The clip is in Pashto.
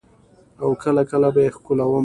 او کله کله به يې ښکلولم.